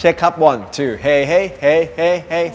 หลังอีกนิดก็ได้